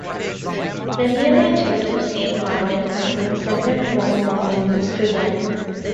The nearby church of Saint Martin contains several tomb-monuments to them.